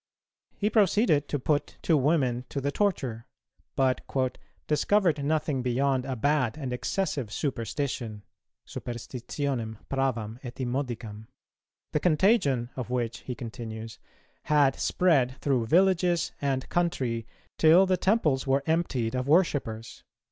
He proceeded to put two women to the torture, but "discovered nothing beyond a bad and excessive superstition" (superstitionem pravam et immodicam), "the contagion" of which, he continues, "had spread through villages and country, till the temples were emptied of worshippers."